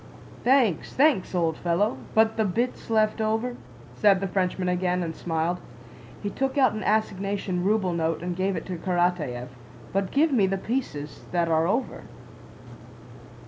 "Thanks, thanks, old fellow.... But the bits left over?" said the Frenchman again and smiled. He took out an assignation ruble note and gave it to Karatáev. "But give me the pieces that are over."